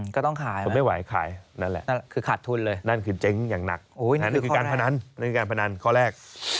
ก็ต้องขายไหมคือขาดทุนเลยนั่นคือเจ๊งอย่างหนักนั่นคือการพนันข้อแรก